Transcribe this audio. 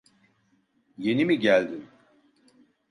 Yeni mi geldin?